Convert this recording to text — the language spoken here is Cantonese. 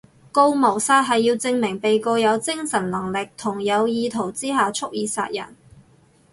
告謀殺係要證明被告有精神能力同有意圖之下蓄意殺人